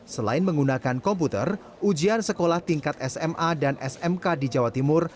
selain menggunakan komputer ujian sekolah tingkat sma dan smk di jawa timur